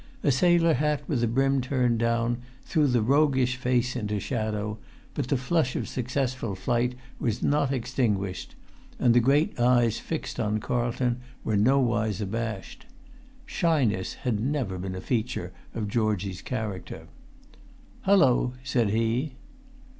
A sailor hat, with the brim turned down, threw the roguish face into shadow; but the flush of successful flight was not extinguished; and the great eyes fixed on Carlton were nowise abashed. Shyness had never been a feature of Georgie's character. "Hallo!" said he.